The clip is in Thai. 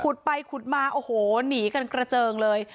ไปขุดมาโอ้โหหนีกันกระเจิงเลย